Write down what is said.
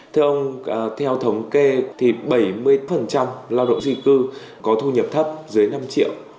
thưa ông theo thống kê thì bảy mươi lao động di cư có thu nhập thấp dưới năm triệu